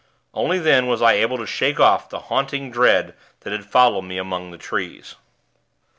Only then was I able to shake off the haunting dread that had followed me among the trees.